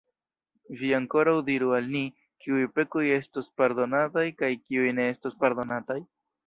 Vi ankoraŭ diru al ni: kiuj pekoj estos pardonataj kaj kiuj ne estos pardonataj?